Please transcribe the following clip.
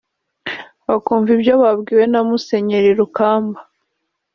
bakumva ibyo babwiwe na Musenyeri Rukamba